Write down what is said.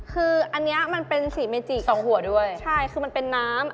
คืออันนี้มันเป็นสีและสีสัมภาษณ์๒หัวมาเป็นน้ำ